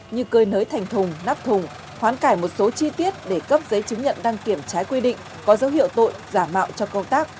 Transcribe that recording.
như cơi nới thành thùng nắp thùng khoán cải một số chi tiết để cấp giấy chứng nhận đăng kiểm trái quy định có dấu hiệu tội giả mạo trong công tác